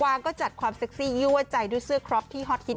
ก็จัดความเซ็กซี่ยั่วใจด้วยเสื้อครอบที่ฮอตฮิต